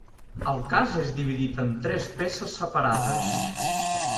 El cas és dividit en tres peces separades.